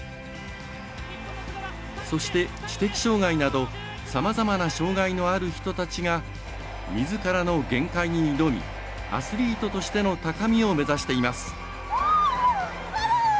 そして、知的障がいなどさまざまな障がいのある人たちがみずからの限界に挑みアスリートとしての高みを目指しています。